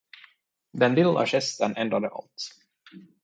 Den lilla gesten ändrade allt.